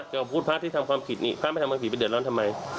ของพุทธพระที่ทำความผิดนี่พระไม่ทำความผิดไปเดือดร้อนทำไม